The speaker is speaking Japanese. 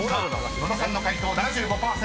野田さんの解答７５％。